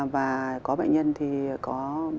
và có bệnh nhân thì có